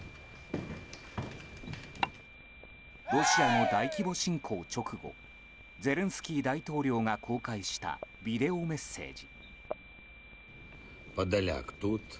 ロシアの大規模侵攻直後ゼレンスキー大統領が公開したビデオメッセージ。